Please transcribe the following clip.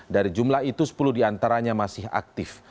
dari jumlah itu sepuluh di antaranya masih aktif